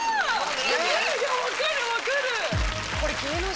分かる分かる！